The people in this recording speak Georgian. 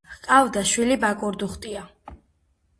ჰყავდა შვილი ბაკურდუხტია.